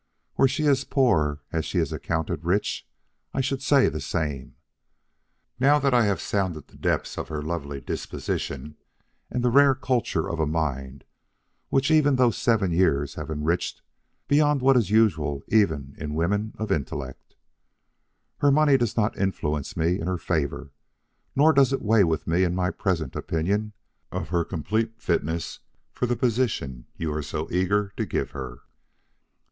Were she as poor as she is accounted rich, I should say the same, now that I have sounded the depths of her lovely disposition and the rare culture of a mind which those seven years have enriched beyond what is usual even in women of intellect. Her money does not influence me in her favor, nor does it weigh with me in my present opinion of her complete fitness for the position you are so eager to give her.